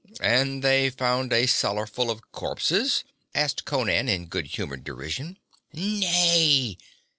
'And they found a cellar full of corpses?' asked Conan in good humored derision. 'Nay!